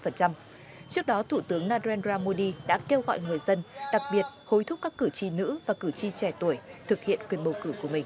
trước đó thủ tướng narendra modi đã kêu gọi người dân đặc biệt hối thúc các cử tri nữ và cử tri trẻ tuổi thực hiện quyền bầu cử của mình